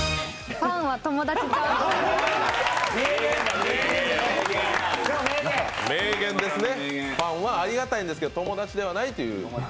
パンはありがたいんですけど、友達ではないという。